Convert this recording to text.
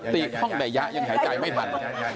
ตีท่องใดยะยังหายใจไม่ทัน